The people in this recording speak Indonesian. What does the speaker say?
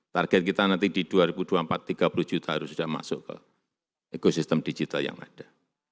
target kita nanti di dua ribu dua puluh empat tiga puluh juta harus sudah masuk ke ekosistem digital yang ada